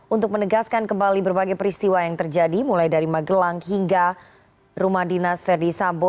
untuk menegaskan kembali berbagai peristiwa yang terjadi mulai dari magelang hingga rumah dinas verdi sambo